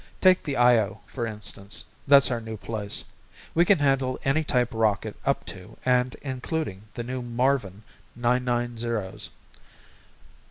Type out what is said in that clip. Take the Io for instance, that's our place. We can handle any type rocket up to and including the new Marvin 990s.